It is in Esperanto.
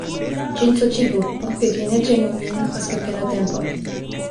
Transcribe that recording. Ĝin suĉigu, por ke ĝi ne ĝenu nin, post kelke da tempo.